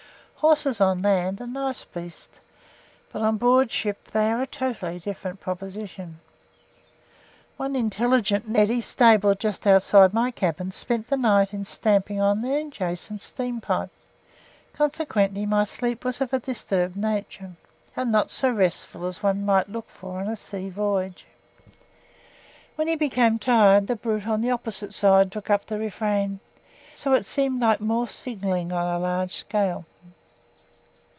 Horses on land are nice beasts, but on board ship they are a totally different proposition. One intelligent neddy stabled just outside my cabin spent the night in stamping on an adjacent steam pipe; consequently my sleep was of a disturbed nature, and not so restful as one might look for on a sea voyage. When he became tired, the brute on the opposite side took up the refrain, so that it seemed like Morse signalling on a large scale.